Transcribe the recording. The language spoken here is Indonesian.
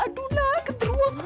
aduh lah genderuwa